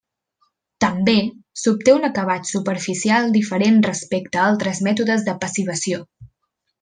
També, s'obté un acabat superficial diferent respecte a altres mètodes de passivació.